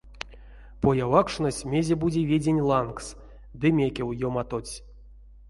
Появакшнось мезе-бути веденть лангс ды мекев ёматотсь.